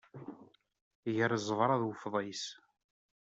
Gar ẓẓebra d ufḍis.